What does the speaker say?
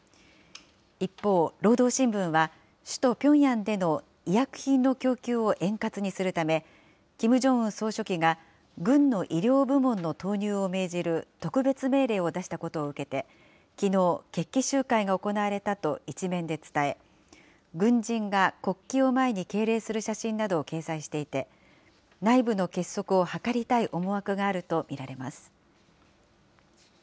一方、労働新聞は首都ピョンヤンでの医薬品の供給を円滑にするため、キム・ジョンウン総書記が軍の医療部門の投入を命じる特別命令を出したことを受けて、きのう、決起集会が行われたと１面で伝え、軍人が国旗を前に敬礼する写真などを掲載していて、内部の結束を図りたい思惑があると見られます。